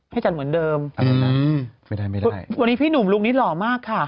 อาจารย์เหมือนเดิมไม่ได้ไม่ได้วันนี้พี่หนุ่มลุงนิดหล่อมากค่ะ